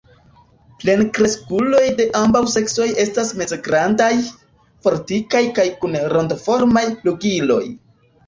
Plenkreskuloj de ambaŭ seksoj estas mezgrandaj, fortikaj kaj kun rondoformaj flugiloj.